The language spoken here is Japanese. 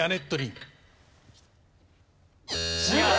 違う。